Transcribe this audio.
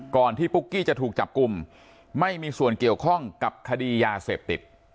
ที่ปุ๊กกี้จะถูกจับกลุ่มไม่มีส่วนเกี่ยวข้องกับคดียาเสพติด